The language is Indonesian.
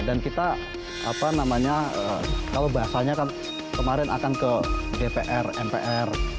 dan kita apa namanya kalau bahasanya kan kemarin akan ke dpr mpr